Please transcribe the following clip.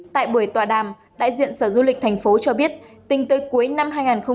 tại buổi tọa đàm đại diện sở du lịch tp hcm cho biết tính tới cuối năm hai nghìn một mươi tám